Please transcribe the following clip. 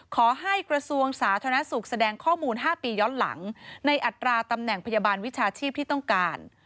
กระทรวงสาธารณสุขแสดงข้อมูล๕ปีย้อนหลังในอัตราตำแหน่งพยาบาลวิชาชีพที่ต้องการ